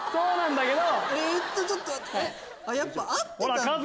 えっとちょっと待ってやっぱ合ってたんだ。